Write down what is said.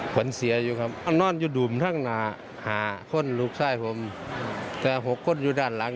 ติดต่อได้ไหมพ่อตอนแรกส่วนแรกสามารถติดต่อลูกได้ไหม